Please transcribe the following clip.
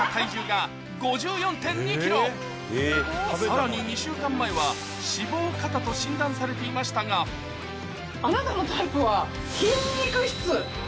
さらに２週間前は脂肪過多と診断されていましたが「あなたのタイプは？」「筋肉質」。